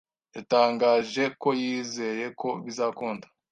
yatangaje ko yizeye ko bizakunda